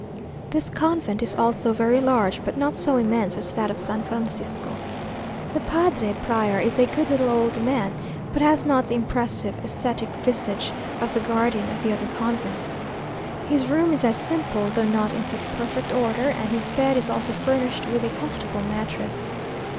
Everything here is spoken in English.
This convent is also very large, but not so immense as that of San Francisco. The padre prior is a good little old man, but has not the impressive, ascetic visage of the guardian of the other convent. His room is as simple, though not in such perfect order; and his bed is also furnished with a comfortable mattress.